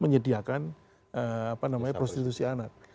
menyediakan prostitusi anak